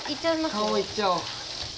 顔も行っちゃおう。